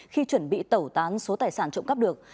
khi chuẩn bị tẩu tán số tài sản trộm cắp được